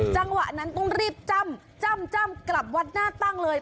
จังหวะนั้นต้องรีบจ้ำจ้ำกลับวัดหน้าตั้งเลย